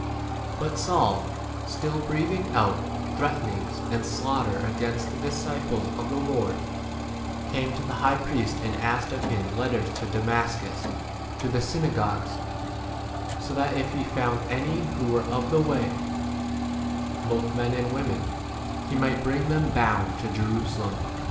But Saul, still breathing out threatenings and slaughter against the disciples of the Lord, came 2 to the high priest and asked of him letters to Damascus, to the synagogues, so that if he found any who were of the way, both men and women, he might bring 3 [them] bound to Jerusalem.